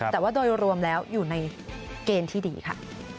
แต่ว่าโดยรวมแล้วอยู่ในเกณฑ์ที่ดีค่ะ